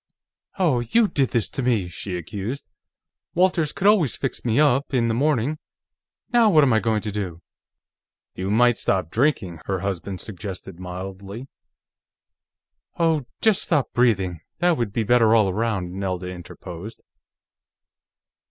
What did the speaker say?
"Oh, you did this to me!" she accused. "Walters could always fix me up, in the morning. Now what am I going to do?" "You might stop drinking," her husband suggested mildly. "Oh, just stop breathing; that would be better all around," Nelda interposed.